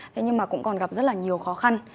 thế nhưng mà cũng còn gặp rất là nhiều khó khăn